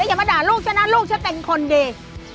อย่ามาด่าลูกฉันนะลูกฉันเป็นคนดี